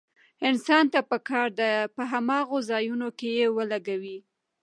انسان ته پکار ده په هماغو ځايونو کې يې ولګوي.